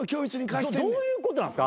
どういうことなんですか？